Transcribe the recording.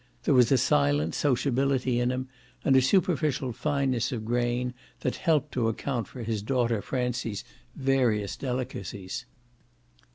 There was a silent sociability in him and a superficial fineness of grain that helped to account for his daughter Francie's various delicacies.